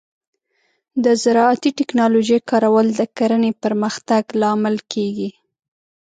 د زراعتي ټیکنالوجۍ کارول د کرنې پرمختګ لامل کیږي.